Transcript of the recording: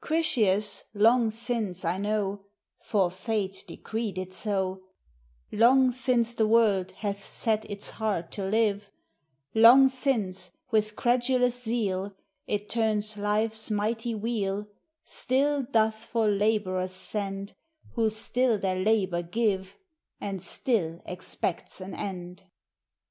Critias, long since, I know (For Fate decreed it so), Long since the world hath set its heart to live ; Long since, with credulous zeal It turns life's mighty wheel, Still doth for laborers send Who still their labor give, And still expects an end.